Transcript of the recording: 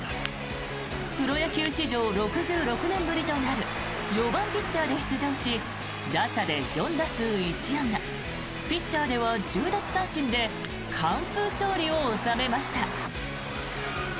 プロ野球史上６６年ぶりとなる４番ピッチャーで出場し打者で４打数１安打ピッチャーでは１０奪三振で完封勝利を収めました。